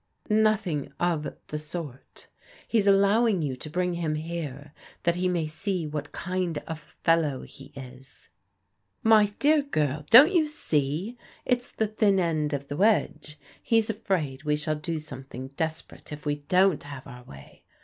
" Nothing of the sort He's allowing you to bring him here that he may see what kind of fellow he is." " My dear girl, don't you see ? It's the thin end of the wedge. He's afraid we shall do something desperate, if we don't have our way.